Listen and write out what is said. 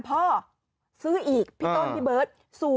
พ่อซื้ออีกพี่ต้นพี่เบิร์ต